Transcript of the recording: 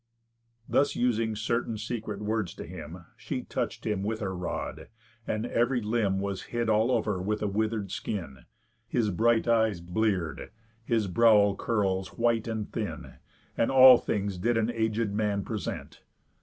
Thus using certain secret words to him, She touch'd him with her rod; and ev'ry limb Was hid all over with a wither'd skin; His bright eyes blear'd; his brow curls white and thin; And all things did an agéd man present.